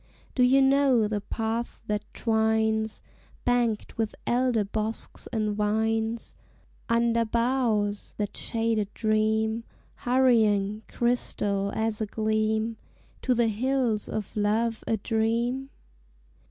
Do you know the path that twines, Banked with elder bosks and vines, Under boughs that shade a stream, Hurrying, crystal as a gleam, To the Hills of Love a Dream?